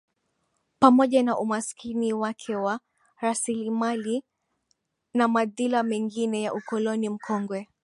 Pamoja na umasikini wake wa rasilimali na madhila mengine ya ukoloni mkongwe